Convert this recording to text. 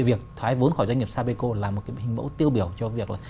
việc thoái vốn khỏi doanh nghiệp sapeco là một hình mẫu tiêu biểu cho việc